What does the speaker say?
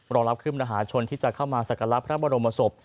รองรับเคลื่อนมหาชนที่จะเข้ามาศักระราชพระบรมศพ